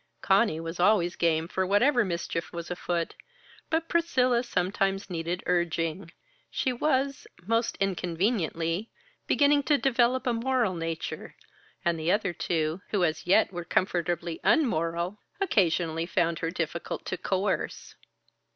Conny was always game for whatever mischief was afoot, but Priscilla sometimes needed urging. She was most inconveniently beginning to develop a moral nature, and the other two, who as yet were comfortably un moral, occasionally found her difficult to coerce.